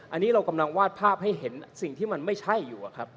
อันนี้เรากำลังวาดภาพให้เห็นสิ่งที่มันไม่ใช่อยู่ครับ